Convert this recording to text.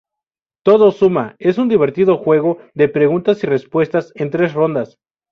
Todo suma: es un divertido juego de preguntas y respuestas en tres rondas.